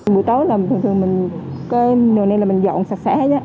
buổi tối là thường thường mình cái nồi này là mình dọn sạch sẽ